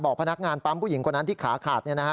บอกพนักงานปั๊มผู้หญิงกว่านั้นที่ขาขาดนะฮะ